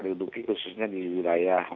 duduki khususnya di wilayah